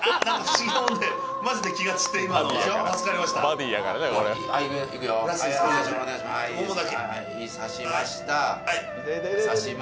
刺しました。